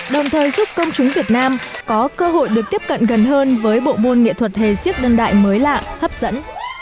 đồng thời giúp công chúng việt nam có cơ hội được tiếp cận gần hơn với bộ môn nghệ thuật hề siết đương đại mới lạ hấp dẫn